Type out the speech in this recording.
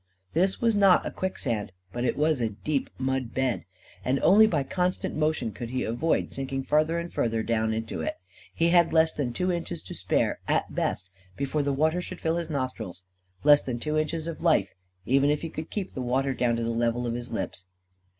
This was not a quicksand, but it was a deep mud bed. And only by constant motion could he avoid sinking farther and farther down into it. He had less than two inches to spare, at best, before the water should fill his nostrils; less than two inches of life, even if he could keep the water down to the level of his lips.